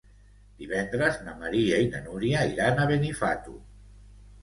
Divendres na Maria i na Núria iran a Benifato.